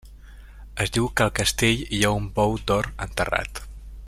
Es diu que al castell hi ha un bou d'or enterrat.